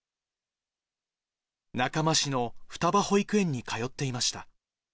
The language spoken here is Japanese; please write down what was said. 中間市の双葉保育園に通っていました。